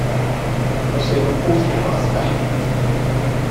Er zijn ook positieve aspecten.